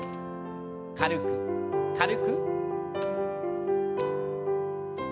軽く軽く。